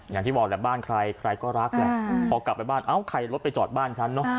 อย่างที่บอกแหละบ้านใครใครก็รักแหละพอกลับไปบ้านเอ้าใครรถไปจอดบ้านฉันเนอะ